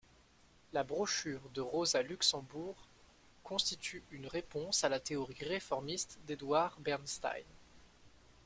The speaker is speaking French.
La brochure de Rosa Luxemburg constitue une réponse à la théorie réformiste d’Eduard Bernstein.